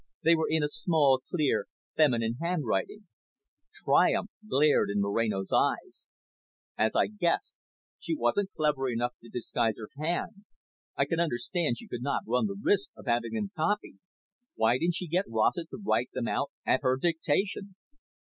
They were in a small, clear, feminine handwriting. Triumph glared in Moreno's dark eyes. "As I guessed. She wasn't clever enough to disguise her hand. I can understand she could not run the risk of having them copied. Why didn't she get Rossett to write them out at her dictation?"